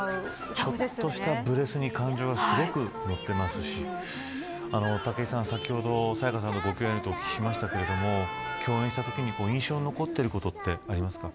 ちょっとしたブレスに感情がすごくのっていますし武井さん、先ほど沙也加さんとご共演したとお聞きしましたけど共演したときに印象に残ってることはありますか。